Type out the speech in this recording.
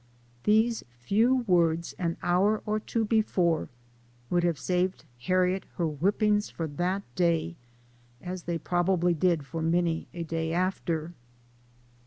These few words an hour or two before, would have saved Harriet her whip pings for that day, as they probably did for many a day after.